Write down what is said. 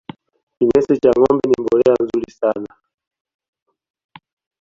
kinyesi cha ngombe ni mbolea nzuri sana